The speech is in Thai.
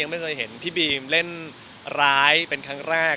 ไม่เคยเห็นพี่บีมเล่นร้ายเป็นครั้งแรก